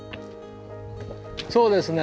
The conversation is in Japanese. そうですね。